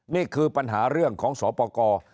นี่คือปัญหาเรื่องของสอปกร